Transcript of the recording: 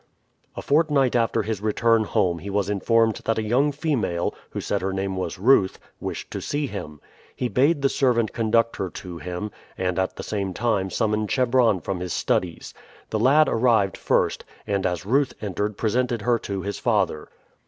A fortnight after his return home he was informed that a young female, who said her name was Ruth, wished to see him. He bade the servant conduct her to him, and at the same time summon Chebron from his studies. The lad arrived first, and as Ruth entered presented her to his father.